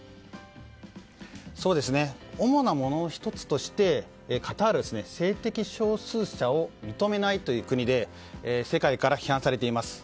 主なものの１つとしてカタールは性的少数者を認めないという国で世界から批判されています。